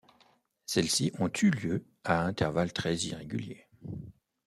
Celles-ci ont eu lieu à intervalles très irréguliers.